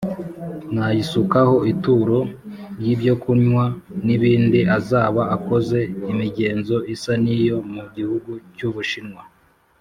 nayisukaho ituro ry ibyokunywa nibindi azaba akoze imigenzo isa niyo mu gihugu cy’ ubushinwa.